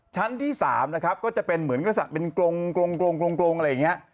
ชั้นที่๓นะครับก็จะเป็นเหมือนกษัตริย์เป็นกรงอะไรอย่างนี้